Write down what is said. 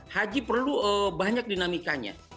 haji perlu banyak dinamikanya